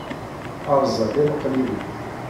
Rẓag am qlilu.